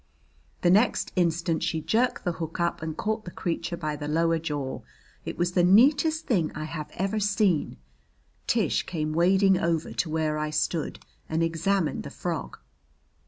The next instant she jerked the hook up and caught the creature by the lower jaw. It was the neatest thing I have ever seen. Tish came wading over to where I stood and examined the frog.